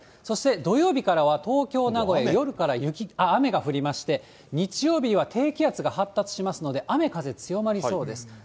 そして土曜日からは東京、名古屋、夜から雨が降りまして、日曜日は低気圧が発達しますので、雨、風、強まりそうです。